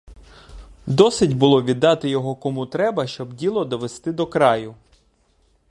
Досить було віддати його кому треба, щоб діло довести до краю.